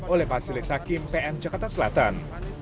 oleh majelis hakim pn jakarta selatan